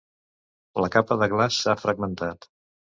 La capa de glaç s'ha fragmentat.